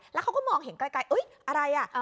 แล้วเขาก็มองเห็นไกลไกลเอ้ยอะไรอ่ะอ่า